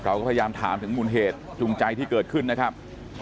เราก็พยายามถามถึงมูลเหตุจูงใจที่เกิดขึ้นนะครับ